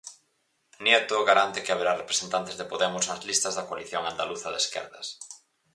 Nieto garante que haberá representantes de Podemos nas listas da coalición andaluza de esquerdas.